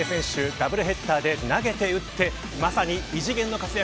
ダブルヘッダーで、投げて打ってまさに異次元の活躍